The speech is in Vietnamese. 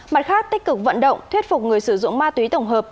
mặt khác tích cực vận động thuyết phục người sử dụng ma túy tổng hợp